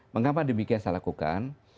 mengapa demikian saya lakukan